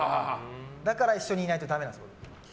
だから一緒にいないとだめなんです。